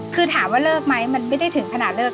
คือถามว่าเลิกไหมมันไม่ได้ถึงขนาดเลิก